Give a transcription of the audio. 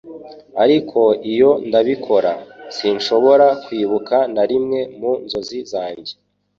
ariko iyo ndabikora, sinshobora kwibuka na rimwe mu nzozi zanjye.